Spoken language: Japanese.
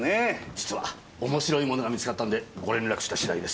実は面白いものが見つかったんでご連絡したしだいです。